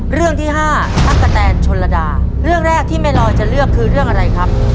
เรื่องที่แม่ลอยจะเลือกคือเรื่องอะไรครับ